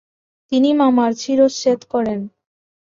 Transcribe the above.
তিনি মামার শিরশ্ছেদ করেন।